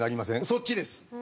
そっちです。